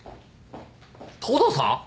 ・東堂さん？